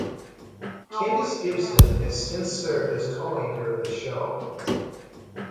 Kendis Gibson has since served as co-anchor of the show.